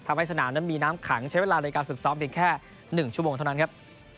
ทำให้สนามนั้นมีน้ำขังใช้เวลาในการฝึกซ้อมเพียงแค่๑ชั่วโมงเท่านั้นครับ